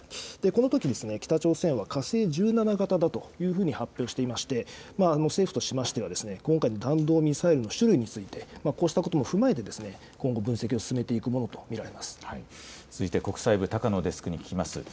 このとき、北朝鮮は火星１７型だというふうに発表していまして、政府としましては今回の弾道ミサイルの種類について、こうしたことも踏まえて、今後、分析を進め続いて国際部、高野デスクに聞きます。